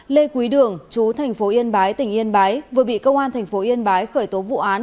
lê quý đường chú thành phố yên bái tỉnh yên bái vừa bị công an thành phố yên bái khởi tố vụ án